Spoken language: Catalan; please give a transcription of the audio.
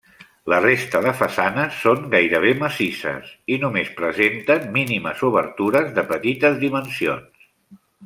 La resta de façanes són gairebé massisses, i només presenten mínimes obertures de petites dimensions.